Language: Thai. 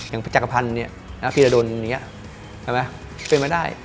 อย่างพจักรพันธ์ฟิรดรเป็นไม่ได้